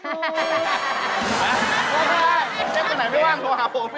แม็กกี้ค่ะเชฟกันไหนไม่ว่างโทรหาผมดิ